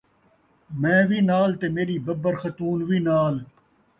میں وی نال تے میݙی ببر خاتوں وی نال